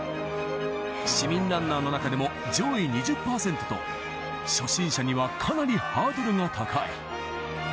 市民ランナーの中でも上位２０％と初心者にはかなりハードルが高い。